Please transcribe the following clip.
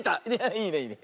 いいねいいね。